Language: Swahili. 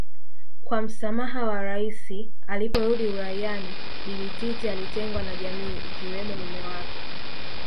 kwa msamaha wa Rais aliporudi uraiani Bibi Titi alitengwa na jamii ikiwemo mume wake